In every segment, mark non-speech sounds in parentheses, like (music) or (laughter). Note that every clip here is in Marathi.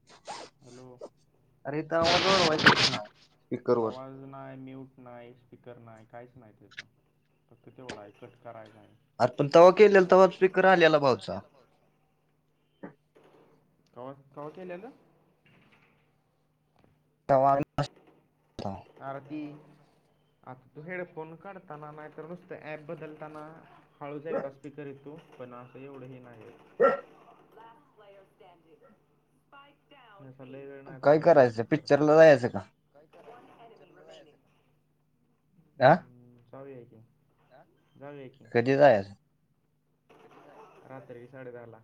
(unintelligible) हॅलो! आवाज वाढवा की, आवाज नाही, म्यू नाही स्पीकर नाही काहीच नाही त्याचं, फक्त तेवढा आहे कट करायचं हाय. आर पण तवा केलेला तवा स्पीकर आलेला भाऊचा. कवा- कवा केलेलं? तवा (unintelligible) आरं‌ ती आता तू हेड फोन काढताना नाहीतर नुसतं ऍप बदलताना हाळूच एकदा स्पीकर येतो, पण असं एवढं ही नाय ये (unintelligible) (unintelligible) असा लय वेळ नाय थांबत त्यो स्पीकर. काय करा (unintelligible) हूं जाऊ या की, अ जाऊ यां की ते जाऊ यां का? रात्री साडे दहाला.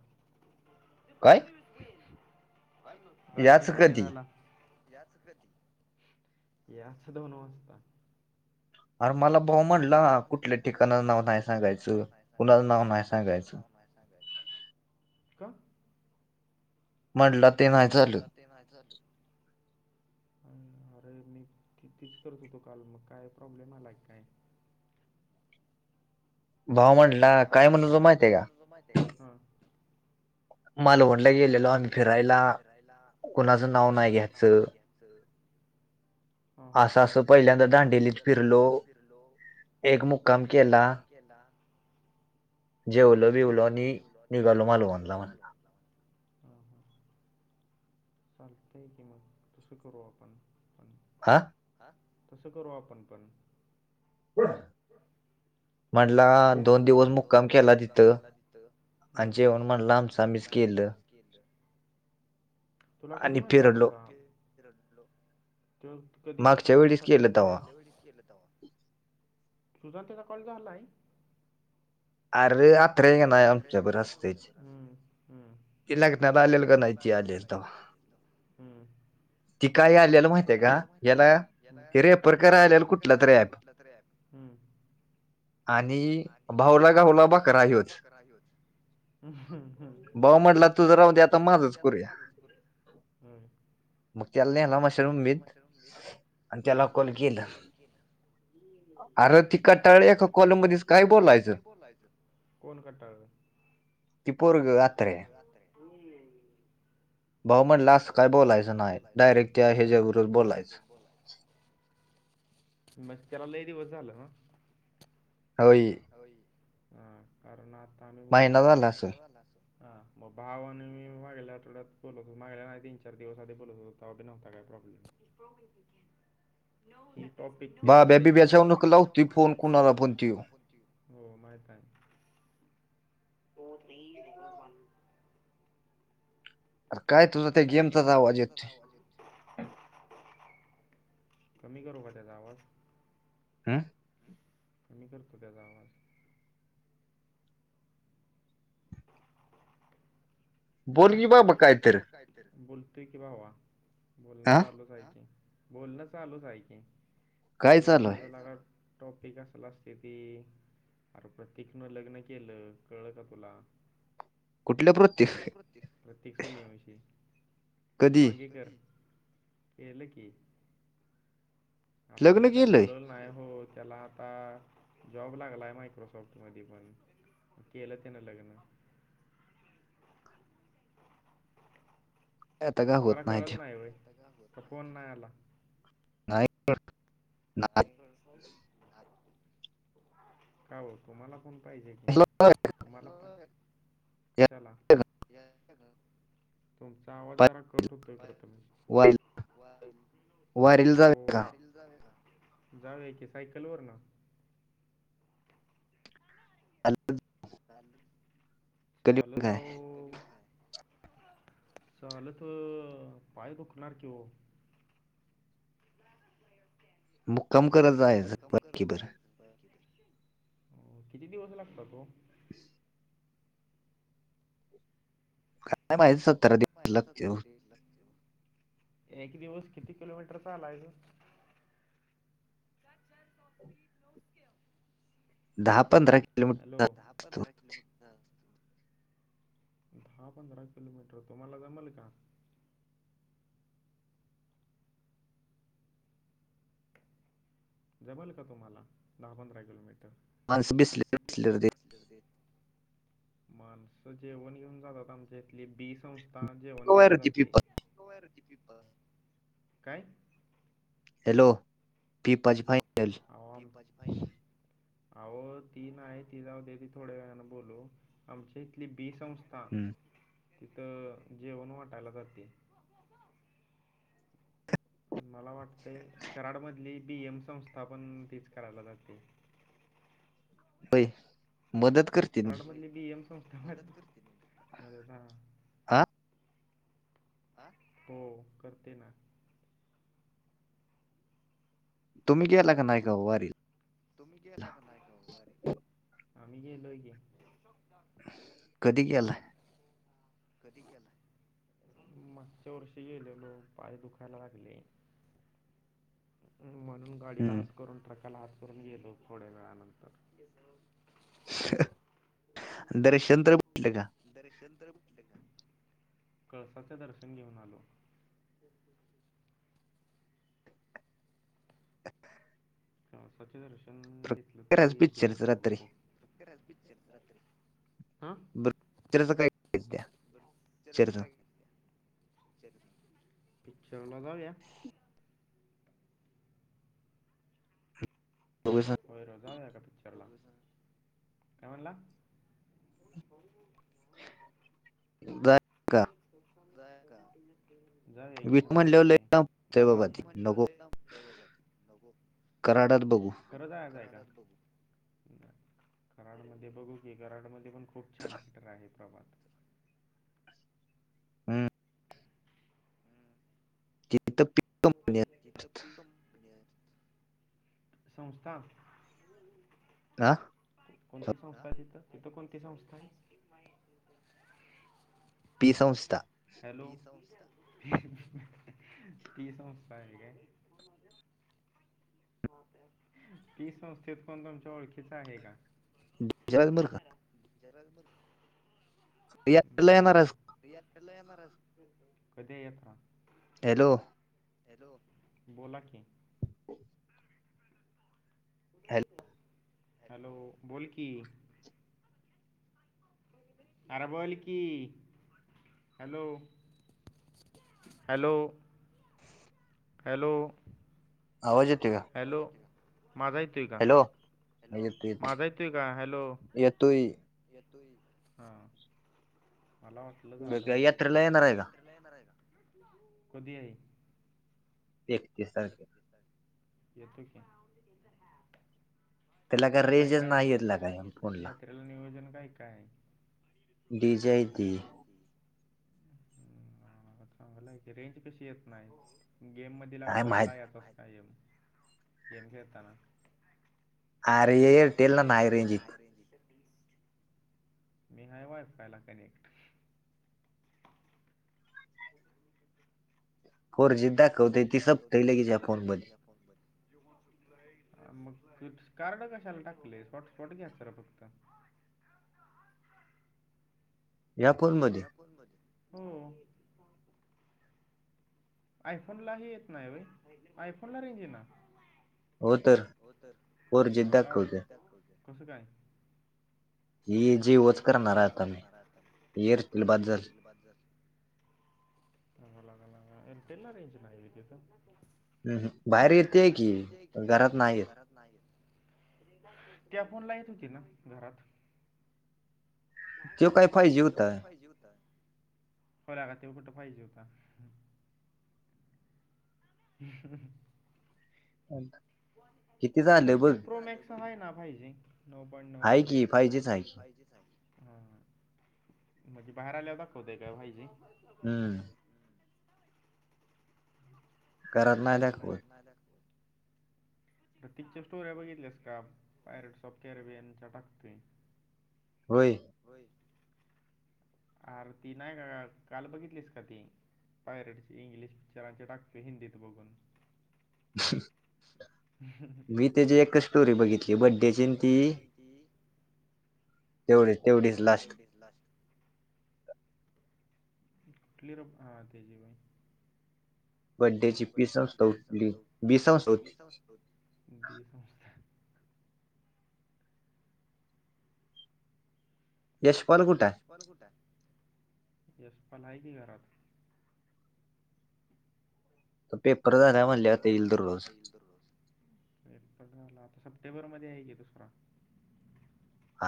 काय? रात्री साडे दहाला. याच कधी याच दोन वाजता. अर मला भाऊ म्हणला कुठल्या ठिकाणाचं नाव नाही सांगायचं कुणाचं नाव नाही सांगायचं. नाय सांगायचं. का? म्हणला ते नाही चालत. ते नाय चालत. अ अरे मी की तेच करत होतो काल म काय प्रॉब्लेम आला की काय? भाव म्हटला काय म्हणत होता माहितीय का तुझ्य माहिती ये का ह मालवण मालवणला गेलेलो आम्ही फिरायला हं कुणाचं नाव नाय घ्याय त असं असं पहिल्यांदा दांडेलीत फिरलो एक मुक्काम केला. केला. जेवलो बिवलो आणि निघालो मालवणला म्हण चालतंय की म तसं करू आपण पण हा आ तसं करू आपण पण (unintelligible) (unintelligible) पहिला दोन दिवस मुक्काम केला तिथ आणि जेवण म्हणला आमच आम्हीच केल तुला कधी म्हणला होता सांग (unintelligible) त्यो कधी कसा तसा कधी म्हणाला मागच्यावेळीस केल तवा तुझा नं त्याजा कॉल झालाय. आरे आप आरे (unintelligible) हूं हूं ते लग्नात आलेलो का नाय ते आलेलो तवा हूं ती काय आलेला माहितीय का यानं रेफर कराय आलेला कुठलं तर ऍप हूं आणि भाऊला भाऊला गावला बकरा ह्योच भाऊ म्हणला तुझ राहू दे आता माझच कर मग त्याला नेला मशानभूमीत आणि त्याला कॉल केल. आर ती कटाळल एका कॉल मधीच काय बोलायचं कोण कंटाळलं ते पोरग आत्र्या होऊन जाईन भाऊ म्हणला अस काय बोलायचं नाय डायरेक्ट त्या ह्याज्यावरच बोलायचं. मग त्याला लई दिवस झालं ना? होई. होई, हा कारण आता आम्ही बोलत होतो, महिना झाला असल. हा, मग भाव आणि मी मागल्या आठवड्यात बोलत होतो, मागल्या नाही तीन चार दिवस आधी बोलत होतो, तवा तर नव्हता काय प्रॉब्लेम. (unintelligible) ही टॉपिक त्याचाच हाय की, बाब्ब्या बिब्याच्या वरनं लावतोय फोन कुणाला पण. हो माहित हाय. काय तुझा त्या गेमचाच आवाज येतोय. कमी करू का त्याचा आवाज? हम्म. कमी करतो त्याचा आवाज. (inaudible) बोल की ब बोल की बाबा कायतर, बोलतोय की भावा बोलणं चालूच आहे की, हा. बोलणं चालूच आहे की, (unintelligible) लका टॉपिक असलं‌ असतेती. अरे प्रतीकनं लग्न केलं, कळलं का तुला? प्र कुठलं प्रतिक? प्रतिक सूर्यवंशी. वांगीकर, कधी? केल की. आपल्याला काय बोलवल नाय, हो त्याला आता जॉब लागलाय मायक्रोसॉफ्ट मधी पण. केलं त्यानं लग्न. तुम्हाला कळाल नाही होय, का फोन नाही आला? नाही. नाय, का ओ? तुम्हाला फोन पाहिजे की, तुम्हाला चला, तुमचा आवाज जरा कट होतोय प्रथमेश, आ ओ (unintelligible) जाऊया का? जाऊया की, सायकल वरनं? (inaudible) चालत, चालत आ ओ चालत अ पाय दुखणार कि ओ. मुक्काम करत जायचं पालखीबर. अ किती दिवस लागतात ओ? (unintelligible) काय माहिती स काय माहित? सतरा दिवस लागतील, एक दिवस किती किलोमीटर चालायचं? दहा पंधरा हॅलो! दहा पंधरा किलोमीट दहा पंधरा किलोमीटर, तुम्हाला जमल का? जमल का तुम्हाला दहा पंधरा किलोमीटर? माणसं (unintelligible) जर देत, माणसं जेवण घेऊन जातात आमचे ली बी संस्था जेवण घेऊन जाते, (unintelligible) काय? हॅलो! हॅलो! आओ (unintelligible) अहो ती नाहीं ती जाऊं दे ती थोड्यां वेळानं बोलूं आमच्यां इथली बीसंस्था. हां तिथं जेवणं वाटांयला जाते. मलां वाटतंय करांडमधली बीएम संस्थापन तीचं करायला जाते बईस मंदत करतें करांड मध्यें बी एम संस्था मतं करते हं हां हो करते नां तुम्ही गेलां कां नाहीं कां वारी वरं तुम्हीं गेलां कां कां आम्हीं गेलो आहे की कधीं केलां यं कधीं केलां मागच्यां वर्षी गेलेलो पांय दुखांयला लागले. म्हणूंन गाडीला हांत करूंन ट्रकाला हांत करूंन गेलो थोड्यां वेळानंतर दर्शन त्तरं भेट लेकां दर्शन तरं भेटले कां कळसांच दर्शन घेऊन आलो कळसांचे दर्शन घेतलं तरी देवं पाहतो बचं काय्या चरचं पिक्चर लां जाऊंया होयं रे जाऊं यांका पिक्चर लां कायं म्हणलां हो बरं बरं कां जाऊं यां कां शंभर टक्के जाणारं म्हणलं लंय लांब आहे बाबा कराडांत बघूं खरंच जायांचं आहे कां कराडमध्यें बघूं की कराडमध्यें पणं खूंप छान थिएटर आहे प्रभात हम्मं (unintelligible) जीथ तबं कंपनी संस्थां हां कोणंती संस्था आहे तिथं तिथं कोणंती संस्था आहे वणे पी संस्था हॅलो पी संस्था आहे कां म (unintelligible) पी संस्थेत कोणी तुमच्या ओळखिच आहे कां ज (unintelligible) हम्मं येतलयं महाराज कधीं येसांन हॅलो हॅलो बोलां की हॅलो हॅलो बोलं की अरं बोलं की हॅलो हॅलो हॅलो हॅलो माझा येतोय का? हॅलो माझा येतोय का हॅलो तोई येतो ई हा मला वाटलं झालं म्हणून का काय यात्रेल येणार हाय का? कधी हाय? एकतीस तारखेला येतोय की, काय काय यात्रेला नियोजन काय काय हाय? डी जे डी जे हाय की हम्म चांगल हाय की रेंज कशी येत नाय गेम मधी लागला पहिजे लाया लागा पस्तायम गेम खेळताना. अरे एअरटेल ला बाहेर रेंज ये मी हाय वाय फाय ला कनेक्ट (inaudible) फोर जी दाख फोर जी दाखवतय ते सपतय लगीच यां फोन मग कार्ड कशाला टाकले हॉटस्पॉट घ्यायचा ना फक्त या पूलमध्ये पूल मध्ये हो आयफोनला ही येत नाय व्हय आयफोन ला रेंज ये ना. हो तर हो तर अर कायमक त्याक होत कसं काय? ही जीओ च करणार ये आता मी हे एअरटेल बास झाल. बास झालं. (unintelligible) एअरटेल ला रेंज नाय व्हय तिथं - अह् बाहेर येतेय की घरात नाय येत. रात नाय येत इअरफोन ला येत होती ना घरात त्यो काय पाहिजे होता कोणाला त्यो कुटं पाहिजे होता. (unintelligible) (unintelligible) थटिन प्रो मॅक्स हाय ना फाय जी नऊ पॉईंट नऊ झाले हाय की फाय जी च हाय. हा म्हणजे बाहेर आल्यावर दाखवतय का फाय जी घरात नाय दाखवत. नाय दाखवत. प्रतिक च्या स्टोऱ्या बघितल्यास का पायरट सॉफ्टवेर बियनच्या टाकतय. होय. हो आर ती नाय का काल बघितलीस का ती पायरोडची इंग्लिश पिक्चरांचे टाकतोय हिंदीत बघून मी त्याची एक स्टोरी बघितली बड्डेचीनं ती ती तेवढी तेवढीच लास्ट लास्ट कुठली र हा तेजी व्हय बड्डेची पि संस्था उठली बिसांस होती. बी संस्था यशपाल कुठाय? पाल कुठाय? यशपाल हायकी घरात. त पेपर झालाय म्हणल्यावर येईल दर्रोज पेपर झाल्यावर आता सप्टेंबर मध्ये हाय की दुसरा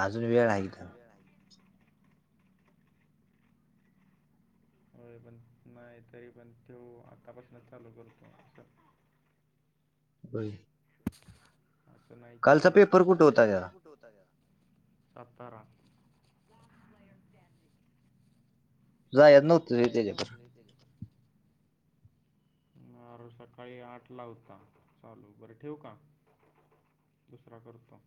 अजून वेळ हाय इथं होय पण नाही तरी पण त्यो आतापासनच चालू करतोय. अस वई असं नाही कि कालचा पेपर कुठ होता त्याचा? सातारा (unintelligible) जायत नव्हतं होय त्याच्याबर येत काय बघ अर सकाळी आठला होता चालू. बरं ठेऊ का? दुसरा करतो.